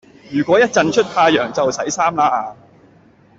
如果一陣出太陽就洗衫啦